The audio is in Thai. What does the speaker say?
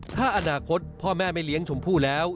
ถ้าอนาคตพ่อแม่ไม่เลี้ยงชมพู่แล้ว